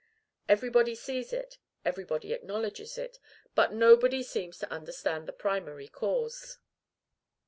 Everybody sees it, everybody acknowledges it; but nobody seems to understand the primary cause.